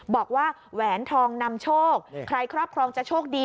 บอกว่าแหวนทองนำโชคใครครอบครองจะโชคดี